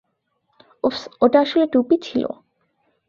ওপস, ওটা আসলে টুপি ছিল।